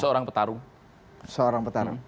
seorang petarung seorang petarung